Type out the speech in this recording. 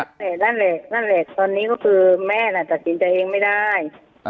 อันนี้ก็คือแม่ต้องจริงจัยเองไม่ได้